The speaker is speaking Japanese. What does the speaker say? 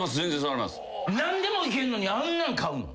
何でもいけんのにあんなん飼うの？